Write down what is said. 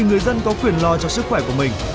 người dân có quyền lo cho sức khỏe của mình